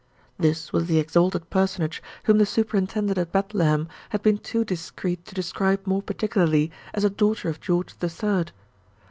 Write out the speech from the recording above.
This was the exalted personage whom the superintendent at Bethlehem had been too discreet to describe more particularly as a daughter of George the Third.